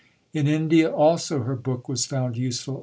In India also her book was found useful.